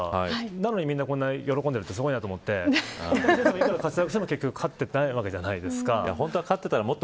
なのに、みんなこんな喜んでるの面白いなと思って活躍しても勝ってないじゃないですか。